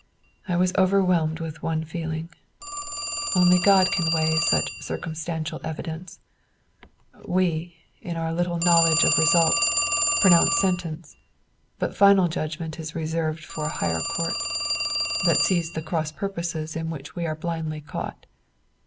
I was overwhelmed with one feeling, only God can weigh such circumstantial evidence; we, in our little knowledge of results, pronounce sentence, but final judgment is reserved for a higher court, that sees the cross purposes in which we are blindly caught.